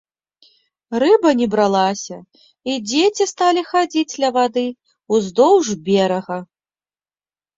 Рыба не бралася і дзеці сталі хадзіць ля вады ўздоўж берага.